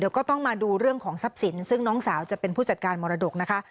ก็ต้องมาดูเรื่องของทรัพย์สินซึ่งน้องสาวจะเป็นผู้จัดการมรดกนะคะ